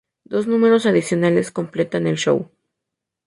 Dos números adicionales completan el show.